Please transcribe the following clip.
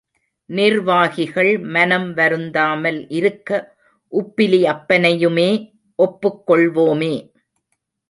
நிர்வாகிகள் மனம் வருந்தாமல் இருக்க உப்பிலி அப்பனையுமே ஒப்புக் கொள்வோமே.